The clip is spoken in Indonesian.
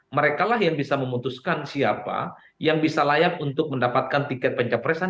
mereka lah yang bisa memutuskan siapa yang bisa layak untuk mendapatkan tiket pencapresan